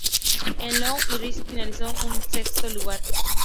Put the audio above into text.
En Iowa y Richmond finalizó en sexto lugar.